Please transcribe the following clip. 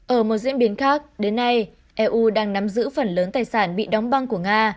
ở một diễn biến khác đến nay eu đang nắm giữ phần lớn tài sản bị đóng băng của nga